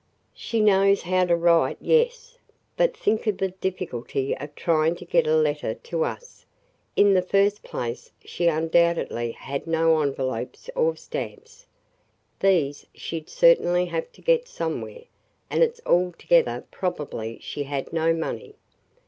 "She knows how to write, yes. But think of the difficulty of trying to get a letter to us. In the first place she undoubtedly had no envelopes or stamps. These she 'd certainly have to get somewhere, and it 's altogether probable she had no money.